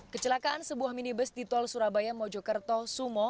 kecelakaan sebuah minibus di tol surabaya mojokerto sumo